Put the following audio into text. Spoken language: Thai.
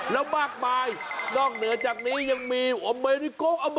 แล้วบางปลายนอกเหนือจากนี้ยังมีอเมริกอลอเมริกัน